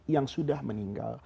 yang sudah meninggal